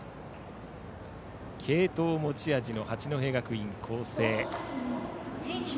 継投が持ち味の八戸学院光星。